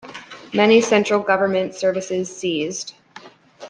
Many central government services ceased.